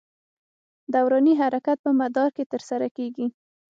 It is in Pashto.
دوراني حرکت په مدار کې تر سره کېږي.